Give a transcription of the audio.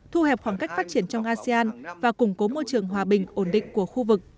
thu hẹp khoảng cách phát triển trong asean và củng cố môi trường hòa bình ổn định của khu vực